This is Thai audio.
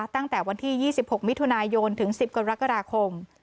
ตั้งแต่วันที่๒๖มิถุนายนถึง๑๐กรกฎาคม